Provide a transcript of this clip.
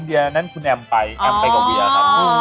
เดียนั้นคุณแอมไปแอมไปกับเวียครับ